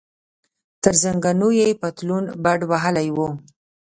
تر زنګنو یې پتلون بډ وهلی و.